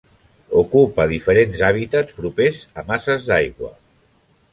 Ocupa diferents hàbitats propers a masses d'aigua.